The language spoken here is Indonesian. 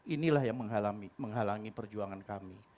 inilah yang menghalangi perjuangan kami